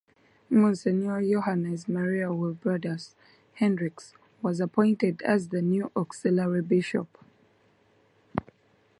Monsignor Johannes Maria Willibrordus Hendriks was appointed as the new auxiliary bishop.